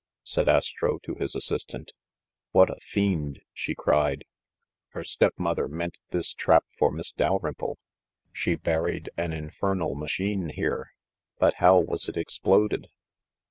said Astro to his as sistant. "What a fiend !" she cried. "Her stepmother meant this trap for Miss Dalrymple ! She buried an infernal machine here ! But how was it exploded